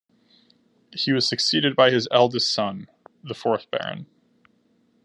He was succeeded by his eldest son, the fourth Baron.